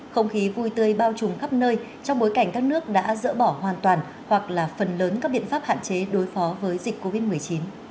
không khí vui tươi bao trùm khắp nơi trong bối cảnh các nước đã dỡ bỏ hoàn toàn hoặc là phần lớn các biện pháp hạn chế đối phó với dịch covid một mươi chín